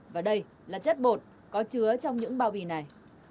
và đây là chất bột có chứa trong những bao bì này